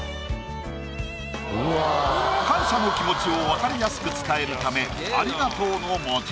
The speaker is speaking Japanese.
感謝の気持ちを分かりやすく伝えるため「ありがとう」の文字。